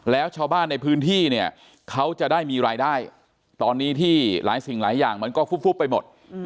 แล้วชาวบ้านในพื้นที่เนี่ยเขาจะได้มีรายได้ตอนนี้ที่หลายสิ่งหลายอย่างมันก็ฟุบไปหมด